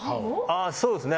そうですね。